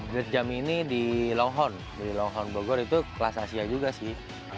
gear jam ini di longhorn di longhorn bogor itu kelas asia juga sih